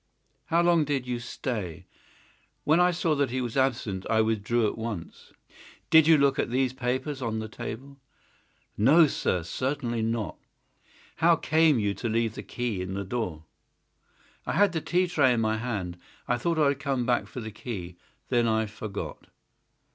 "How long did you stay?" "When I saw that he was absent I withdrew at once." "Did you look at these papers on the table?" "No, sir; certainly not." "How came you to leave the key in the door?" "I had the tea tray in my hand. I thought I would come back for the key. Then I forgot."